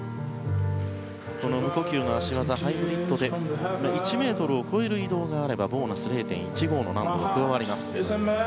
無呼吸の脚技ハイブリッドで１ｍを超える移動があればボーナスも加わります。